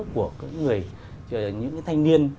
của những người những cái thanh niên